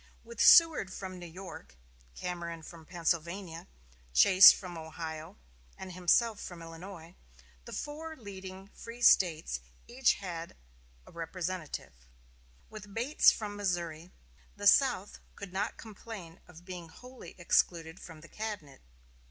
With Seward from New York, Cameron from Pennsylvania, Chase from Ohio, and himself from Illinois, the four leading free States had each a representative. With Bates from Missouri, the South could not complain of being wholly excluded from the cabinet.